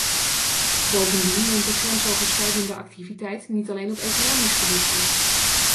Bovendien neemt de grensoverschrijdende activiteit niet alleen op economisch gebied toe.